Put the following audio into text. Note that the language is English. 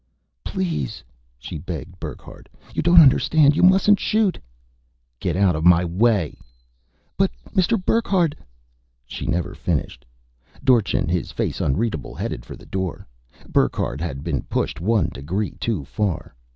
"Please!" she begged Burckhardt. "You don't understand. You mustn't shoot!" "Get out of my way!" "But, Mr. Burckhardt " She never finished. Dorchin, his face unreadable, headed for the door. Burckhardt had been pushed one degree too far.